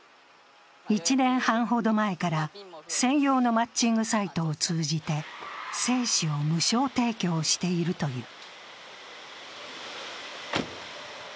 １年半ほど前から専用のマッチングサイトを通じて精子を無償提供しているという。